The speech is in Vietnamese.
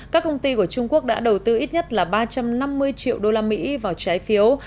các công ty của trung quốc đã đầu tư ít nhất là ba trăm năm mươi triệu usd vào trái phiếu